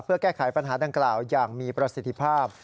เพื่อแก้ไขปัญหาดังกล่าวอย่างมีประสิทธิภาพ